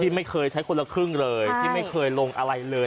ไม่เคยใช้คนละครึ่งเลยที่ไม่เคยลงอะไรเลย